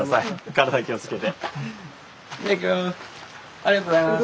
ありがとうございます。